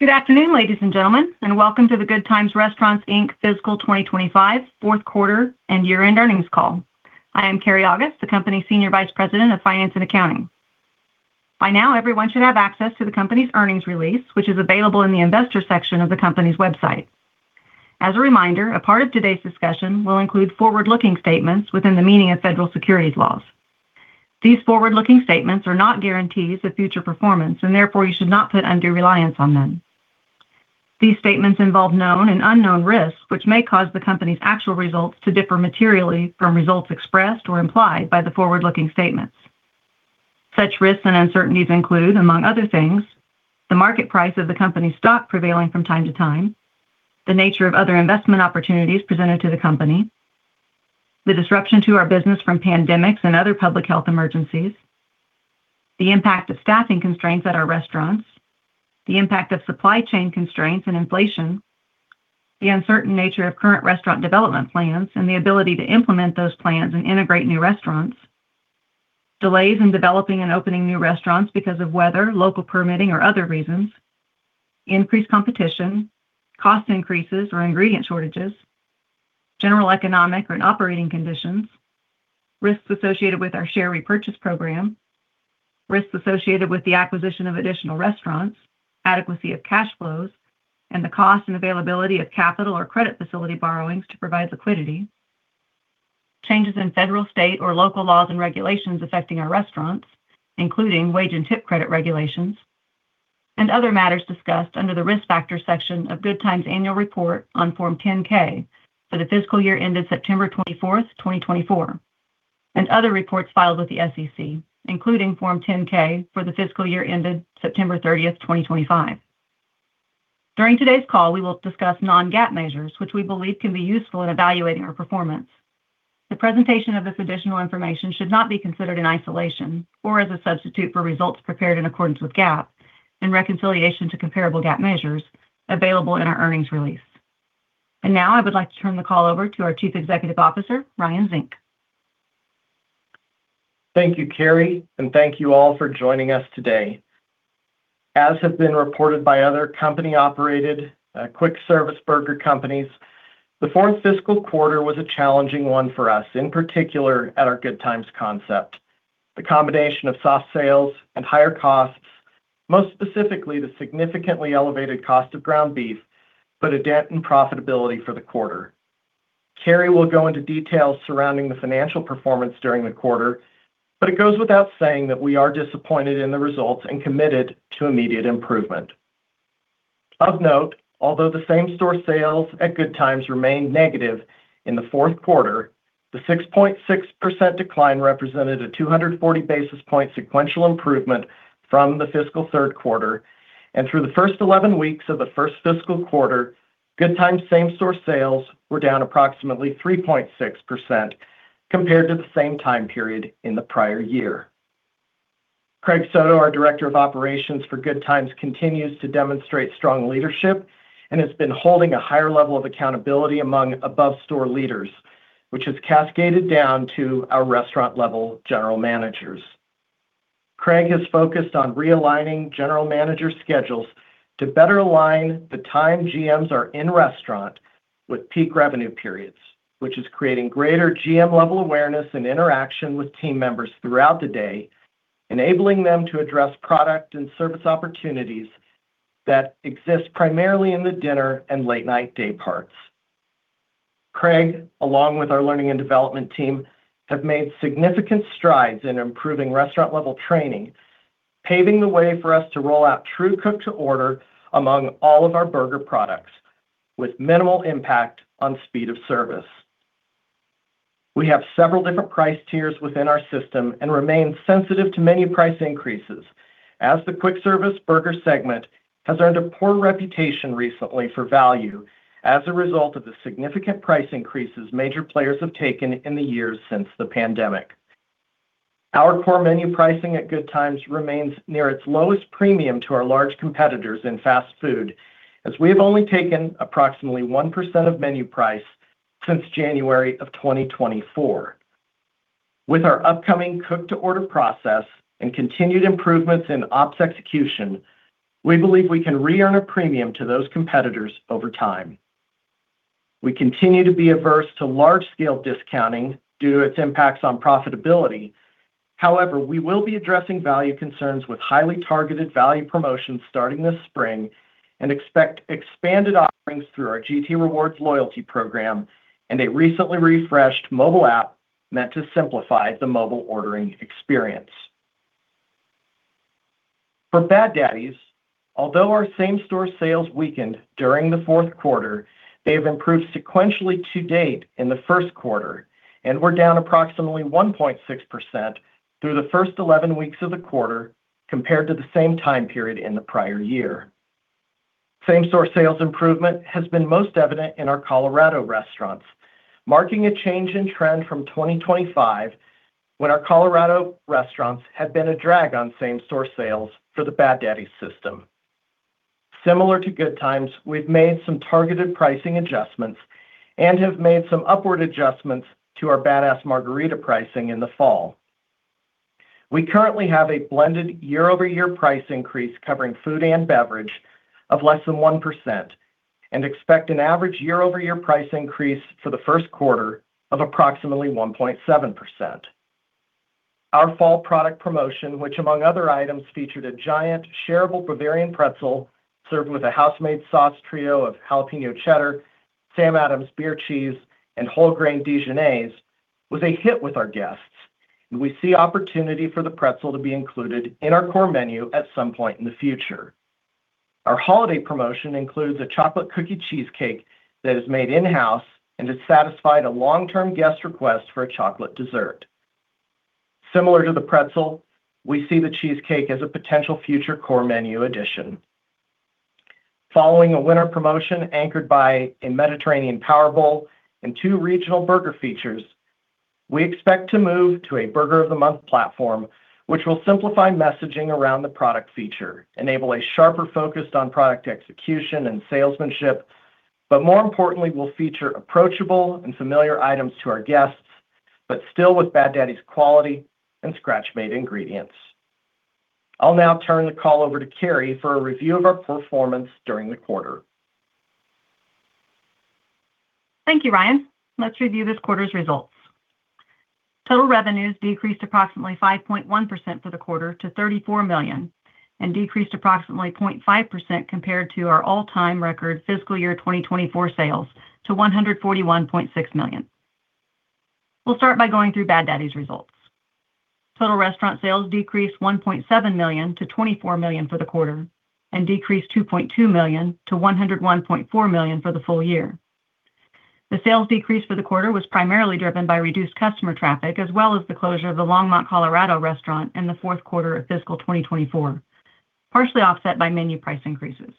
Good afternoon, ladies and gentlemen, and welcome to the Good Times Restaurants Inc. fiscal 2025, fourth quarter and year-end earnings call. I am Keri August, the company's Senior Vice President of Finance and Accounting. By now, everyone should have access to the company's earnings release, which is available in the investor section of the company's website. As a reminder, a part of today's discussion will include forward-looking statements within the meaning of federal securities laws. These forward-looking statements are not guarantees of future performance, and therefore you should not put undue reliance on them. These statements involve known and unknown risks, which may cause the company's actual results to differ materially from results expressed or implied by the forward-looking statements. Such risks and uncertainties include, among other things, the market price of the company's stock prevailing from time to time, the nature of other investment opportunities presented to the company, the disruption to our business from pandemics and other public health emergencies, the impact of staffing constraints at our restaurants, the impact of supply chain constraints and inflation, the uncertain nature of current restaurant development plans and the ability to implement those plans and integrate new restaurants, delays in developing and opening new restaurants because of weather, local permitting, or other reasons, increased competition, cost increases or ingredient shortages, general economic and operating conditions, risks associated with our share repurchase program, risks associated with the acquisition of additional restaurants, adequacy of cash flows, and the cost and availability of capital or credit facility borrowings to provide liquidity, changes in federal, state, or local laws and regulations affecting our restaurants, including wage and tip credit regulations, and other matters discussed under the risk factor section of Good Times' annual report on Form 10-K for the fiscal year ended September 24, 2024, and other reports filed with the SEC, including Form 10-K for the fiscal year ended September 30, 2025. During today's call, we will discuss non-GAAP measures, which we believe can be useful in evaluating our performance. The presentation of this additional information should not be considered in isolation or as a substitute for results prepared in accordance with GAAP, in reconciliation to comparable GAAP measures available in our earnings release. And now I would like to turn the call over to our Chief Executive Officer, Ryan Zink. Thank you, Keri, and thank you all for joining us today. As has been reported by other company-operated quick-service burger companies, the fourth fiscal quarter was a challenging one for us, in particular at our Good Times concept. The combination of soft sales and higher costs, most specifically the significantly elevated cost of ground beef, put a dent in profitability for the quarter. Keri will go into details surrounding the financial performance during the quarter, but it goes without saying that we are disappointed in the results and committed to immediate improvement. Of note, although the same-store sales at Good Times remained negative in the fourth quarter, the 6.6% decline represented a 240 basis points sequential improvement from the fiscal third quarter. Through the first 11 weeks of the first fiscal quarter, Good Times' same-store sales were down approximately 3.6% compared to the same time period in the prior year. Craig Soto, our director of operations for Good Times, continues to demonstrate strong leadership and has been holding a higher level of accountability among above-store leaders, which has cascaded down to our restaurant-level general managers. Craig has focused on realigning general manager schedules to better align the time GMs are in restaurant with peak revenue periods, which is creating greater GM-level awareness and interaction with team members throughout the day, enabling them to address product and service opportunities that exist primarily in the dinner and late-night day parts. Craig, along with our learning and development team, have made significant strides in improving restaurant-level training, paving the way for us to roll out true cook-to-order among all of our burger products with minimal impact on speed of service. We have several different price tiers within our system and remain sensitive to menu price increases, as the quick-service burger segment has earned a poor reputation recently for value as a result of the significant price increases major players have taken in the years since the pandemic. Our core menu pricing at Good Times remains near its lowest premium to our large competitors in fast food, as we have only taken approximately 1% of menu price since January of 2024. With our upcoming cook-to-order process and continued improvements in ops execution, we believe we can re-earn a premium to those competitors over time. We continue to be averse to large-scale discounting due to its impacts on profitability. However, we will be addressing value concerns with highly targeted value promotions starting this spring and expect expanded offerings through our GT Rewards loyalty program and a recently refreshed mobile app meant to simplify the mobile ordering experience. For Bad Daddy's, although our same-store sales weakened during the fourth quarter, they have improved sequentially to date in the first quarter and were down approximately 1.6% through the first 11 weeks of the quarter compared to the same time period in the prior year. Same-store sales improvement has been most evident in our Colorado restaurants, marking a change in trend from 2025 when our Colorado restaurants had been a drag on same-store sales for the Bad Daddy's system. Similar to Good Times, we've made some targeted pricing adjustments and have made some upward adjustments to our Bad Ass Margarita pricing in the fall. We currently have a blended year-over-year price increase covering food and beverage of less than 1% and expect an average year-over-year price increase for the first quarter of approximately 1.7%. Our fall product promotion, which among other items featured a giant shareable Bavarian Pretzel served with a house-made sauce trio of jalapeño cheddar, Sam Adams Beer Cheese, and whole grain Dijonnaise, was a hit with our guests, and we see opportunity for the pretzel to be included in our core menu at some point in the future. Our holiday promotion includes a Chocolate Cookie Cheesecake that is made in-house and has satisfied a long-term guest request for a chocolate dessert. Similar to the pretzel, we see the cheesecake as a potential future core menu addition. Following a winter promotion anchored by a Mediterranean Power Bowl and two regional burger features, we expect to move to a burger of the month platform, which will simplify messaging around the product feature, enable a sharper focus on product execution and salesmanship, but more importantly, will feature approachable and familiar items to our guests, but still with Bad Daddy's quality and scratch-made ingredients. I'll now turn the call over to Keri for a review of our performance during the quarter. Thank you, Ryan. Let's review this quarter's results. Total revenues decreased approximately 5.1% for the quarter to $34 million and decreased approximately 0.5% compared to our all-time record fiscal year 2024 sales to $141.6 million. We'll start by going through Bad Daddy's results. Total restaurant sales decreased $1.7 million to $24 million for the quarter and decreased $2.2 million to $101.4 million for the full year. The sales decrease for the quarter was primarily driven by reduced customer traffic as well as the closure of the Longmont, Colorado restaurant in the fourth quarter of fiscal 2024, partially offset by menu price increases.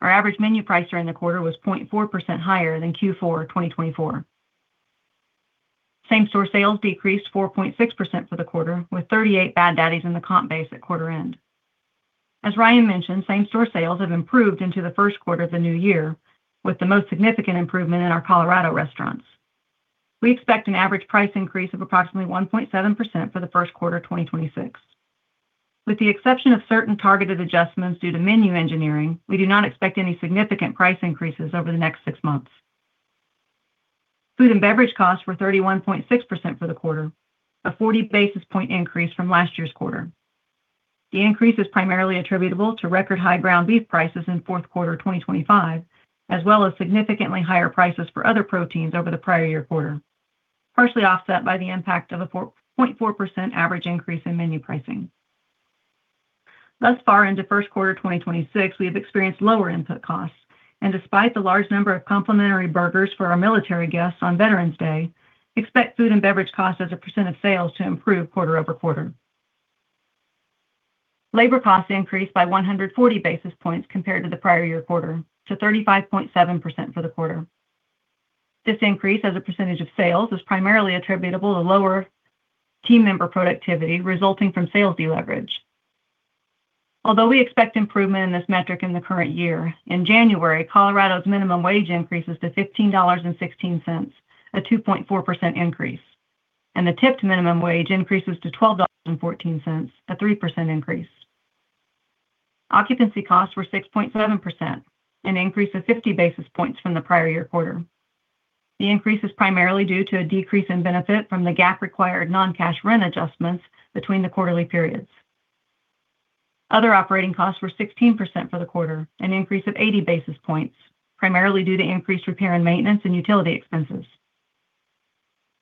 Our average menu price during the quarter was 0.4% higher than Q4 2024. Same-store sales decreased 4.6% for the quarter with 38 Bad Daddy's in the comp base at quarter end. As Ryan mentioned, same-store sales have improved into the first quarter of the new year, with the most significant improvement in our Colorado restaurants. We expect an average price increase of approximately 1.7% for the first quarter of 2026. With the exception of certain targeted adjustments due to menu engineering, we do not expect any significant price increases over the next six months. Food and beverage costs were 31.6% for the quarter, a 40 basis point increase from last year's quarter. The increase is primarily attributable to record high ground beef prices in fourth quarter 2025, as well as significantly higher prices for other proteins over the prior year quarter, partially offset by the impact of a 0.4% average increase in menu pricing. Thus far, into first quarter 2026, we have experienced lower input costs, and despite the large number of complimentary burgers for our military guests on Veterans Day, expect food and beverage costs as a percent of sales to improve quarter over quarter. Labor costs increased by 140 basis points compared to the prior year quarter to 35.7% for the quarter. This increase as a percentage of sales is primarily attributable to lower team member productivity resulting from sales deleverage. Although we expect improvement in this metric in the current year, in January, Colorado's minimum wage increases to $15.16, a 2.4% increase, and the tipped minimum wage increases to $12.14, a 3% increase. Occupancy costs were 6.7%, an increase of 50 basis points from the prior year quarter. The increase is primarily due to a decrease in benefit from the GAAP-required non-cash rent adjustments between the quarterly periods. Other operating costs were 16% for the quarter, an increase of 80 basis points, primarily due to increased repair and maintenance and utility expenses.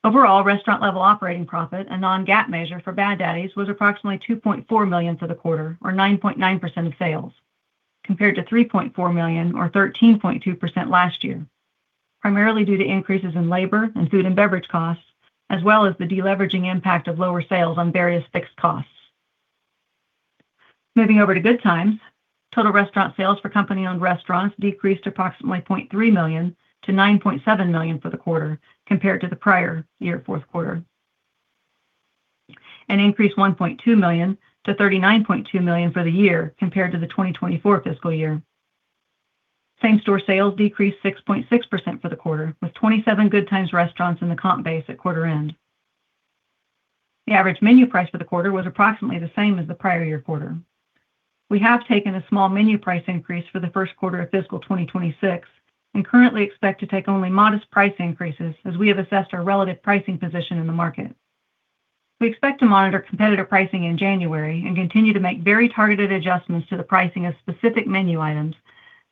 Overall, restaurant-level operating profit, a non-GAAP measure for Bad Daddy's, was approximately $2.4 million for the quarter, or 9.9% of sales, compared to $3.4 million or 13.2% last year, primarily due to increases in labor and food and beverage costs, as well as the deleveraging impact of lower sales on various fixed costs. Moving over to Good Times, total restaurant sales for company-owned restaurants decreased approximately $0.3 million to $9.7 million for the quarter compared to the prior year fourth quarter, and increased $1.2 million to $39.2 million for the year compared to the 2024 fiscal year. Same-store sales decreased 6.6% for the quarter, with 27 Good Times restaurants in the comp base at quarter end. The average menu price for the quarter was approximately the same as the prior year quarter. We have taken a small menu price increase for the first quarter of fiscal 2026 and currently expect to take only modest price increases as we have assessed our relative pricing position in the market. We expect to monitor competitor pricing in January and continue to make very targeted adjustments to the pricing of specific menu items,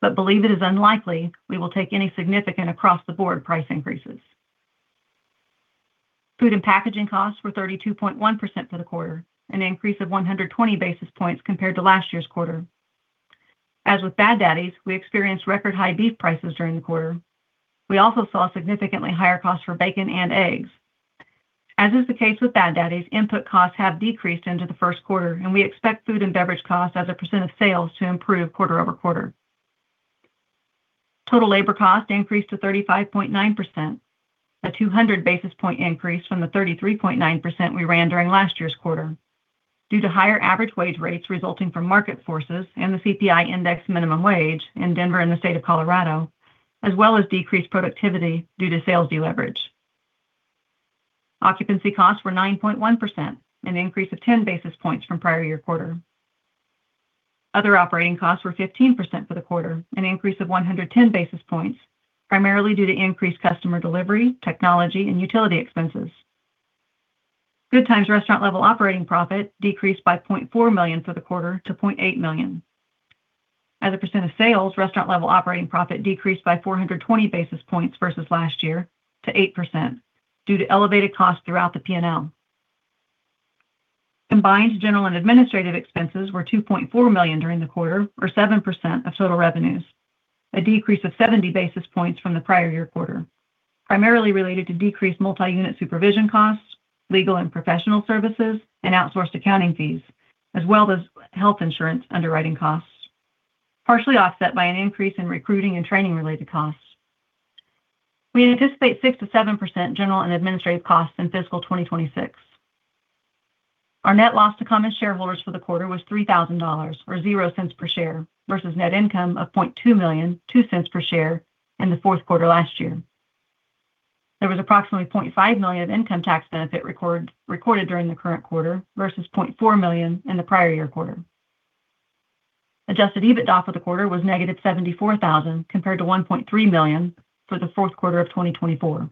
but believe it is unlikely we will take any significant across-the-board price increases. Food and packaging costs were 32.1% for the quarter, an increase of 120 basis points compared to last year's quarter. As with Bad Daddy's, we experienced record high beef prices during the quarter. We also saw significantly higher costs for bacon and eggs. As is the case with Bad Daddy's, input costs have decreased into the first quarter, and we expect food and beverage costs as a percent of sales to improve quarter over quarter. Total labor costs increased to 35.9%, a 200 basis point increase from the 33.9% we ran during last year's quarter due to higher average wage rates resulting from market forces and the CPI index minimum wage in Denver and the state of Colorado, as well as decreased productivity due to sales deleverage. Occupancy costs were 9.1%, an increase of 10 basis points from prior year quarter. Other operating costs were 15% for the quarter, an increase of 110 basis points, primarily due to increased customer delivery, technology, and utility expenses. Good Times restaurant-level operating profit decreased by $0.4 million for the quarter to $0.8 million. As a percent of sales, restaurant-level operating profit decreased by 420 basis points versus last year to 8% due to elevated costs throughout the P&L. Combined general and administrative expenses were $2.4 million during the quarter, or 7% of total revenues, a decrease of 70 basis points from the prior year quarter, primarily related to decreased multi-unit supervision costs, legal and professional services, and outsourced accounting fees, as well as health insurance underwriting costs, partially offset by an increase in recruiting and training-related costs. We anticipate 6%-7% general and administrative costs in fiscal 2026. Our net loss to common shareholders for the quarter was $3,000 or 0 cents per share versus net income of $0.2 million, 2 cents per share in the fourth quarter last year. There was approximately $0.5 million of income tax benefit recorded during the current quarter versus $0.4 million in the prior year quarter. Adjusted EBITDA for the quarter was negative $74,000 compared to $1.3 million for the fourth quarter of 2024.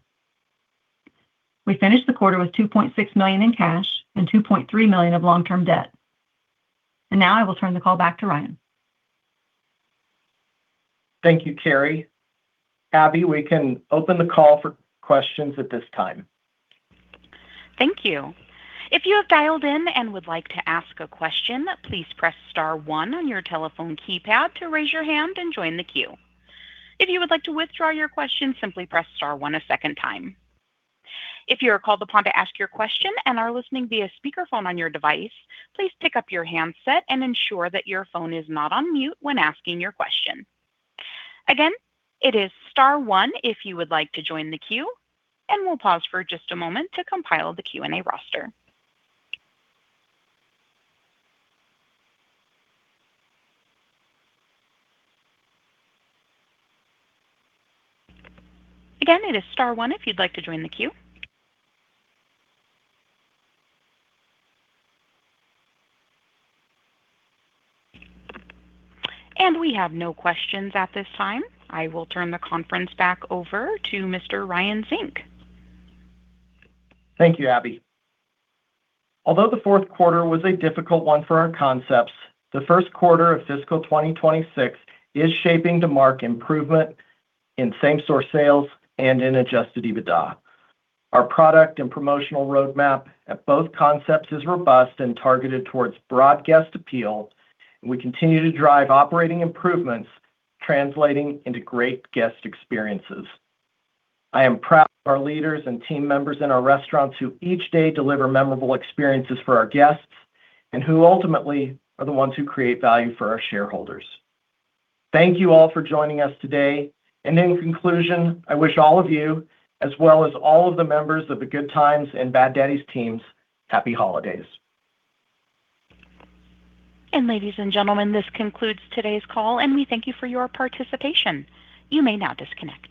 We finished the quarter with $2.6 million in cash and $2.3 million of long-term debt. Now I will turn the call back to Ryan. Thank you, Keri. Abby, we can open the call for questions at this time. Thank you. If you have dialed in and would like to ask a question, please press star one on your telephone keypad to raise your hand and join the queue. If you would like to withdraw your question, simply press star one a second time. If you are called upon to ask your question and are listening via speakerphone on your device, please pick up your handset and ensure that your phone is not on mute when asking your question. Again, it is star one if you would like to join the queue, and we'll pause for just a moment to compile the Q&A roster. Again, it is star one if you'd like to join the queue. And we have no questions at this time. I will turn the conference back over to Mr. Ryan Zink. Thank you, Abby. Although the fourth quarter was a difficult one for our concepts, the first quarter of fiscal 2026 is shaping to mark improvement in same-store sales and in Adjusted EBITDA. Our product and promotional roadmap at both concepts is robust and targeted towards broad guest appeal, and we continue to drive operating improvements, translating into great guest experiences. I am proud of our leaders and team members in our restaurants who each day deliver memorable experiences for our guests and who ultimately are the ones who create value for our shareholders. Thank you all for joining us today. And in conclusion, I wish all of you, as well as all of the members of the Good Times and Bad Daddy's teams, happy holidays. Ladies and gentlemen, this concludes today's call, and we thank you for your participation. You may now disconnect.